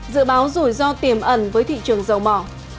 dự báo rủi ro tiềm ẩn với thị trường dầu mỏ